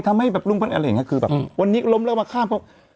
ทำให้แบบลุงพลอะไรอย่างนี้คือแบบวันนี้ล้มแล้วมาข้ามเขา